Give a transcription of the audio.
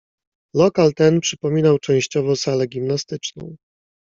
"Lokal ten przypominał częściowo salę gimnastyczną."